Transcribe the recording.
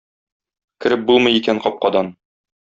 Кереп булмый икән капкадан.